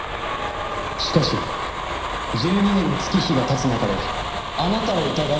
しかし１２年の月日が経つ中であなたを疑う人物が現れた。